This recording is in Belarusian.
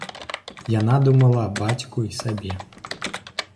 Яна думала аб бацьку і сабе.